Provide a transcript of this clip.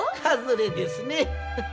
外れですね。